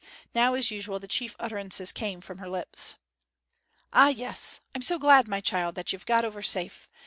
Now, as usual, the chief utterances came from her lips. 'Ah, yes, I'm so glad, my child, that you've got over safe.